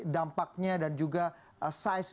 dampaknya dan juga size